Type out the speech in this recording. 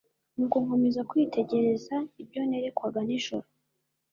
nuko nkomeza kwitegereza ibyo nerekwaga nijoro